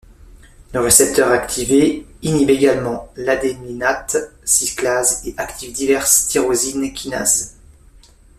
Le récepteur activé inhibe également l'adénylate cyclase et active diverses tyrosine kinases.